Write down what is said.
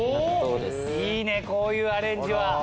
いいねこういうアレンジは。